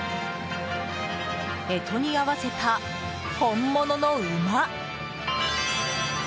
干支に合わせた本物の馬。